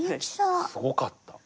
すごかった。